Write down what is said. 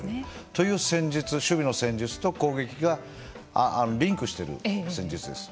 という戦術守備の戦術と攻撃がリンクしてる戦術です。